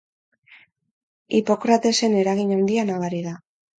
Hipokratesen eragin handia nabari da.